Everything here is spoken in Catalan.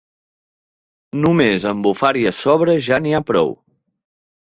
Només amb bufar-hi a sobre ja n'hi ha prou.